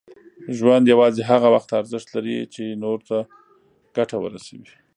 ژوند یوازې هغه وخت ارزښت لري، چې نور ته ګټه ورسوي.